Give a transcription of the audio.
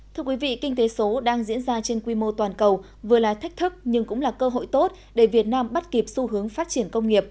thưa quý vị kinh tế số đang diễn ra trên quy mô toàn cầu vừa là thách thức nhưng cũng là cơ hội tốt để việt nam bắt kịp xu hướng phát triển công nghiệp